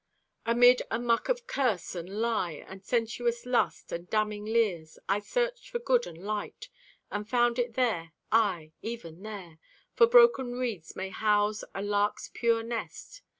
Amid a muck of curse, and lie, And sensuous lust, and damning leers, I searched for Good and Light, And found it there, aye, even there; For broken reeds may house a lark's pure nest.